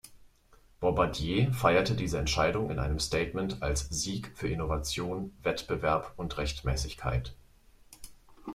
Bombardier feierte diese Entscheidung in einem Statement als „Sieg für Innovation, Wettbewerb und Rechtmäßigkeit“.